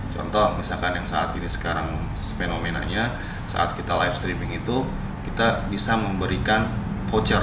contoh misalkan yang saat ini sekarang fenomenanya saat kita live streaming itu kita bisa memberikan voucher